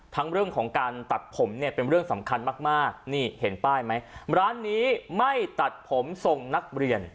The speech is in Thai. ทั้งเรื่องของการตัดผมเนี่ยเป็นเรื่องสำคัญมากนี่เห็นป้ายไหมร้านนี้ไม่ตัดผมส่งนักเรียน